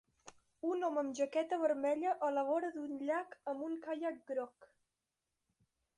Un home amb jaqueta vermella a la vora d'un llac amb un caiac groc.